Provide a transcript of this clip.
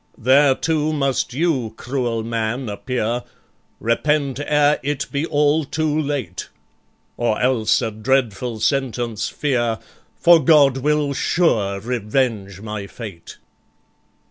There too must you, cruel man, appear, Repent ere it be all too late; Or else a dreadful sentence fear, For God will sure revenge my fate.